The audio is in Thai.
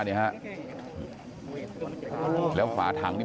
กลุ่มตัวเชียงใหม่